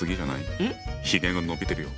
ヒゲが伸びてるよ。